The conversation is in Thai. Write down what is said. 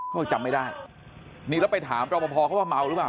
ก็จำไม่ได้นี่แล้วไปถามรอปภเขาว่าเมาหรือเปล่า